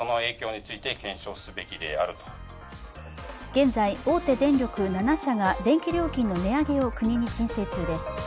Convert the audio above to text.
現在、大手電力７社が電気料金の値上げを国に申請中です。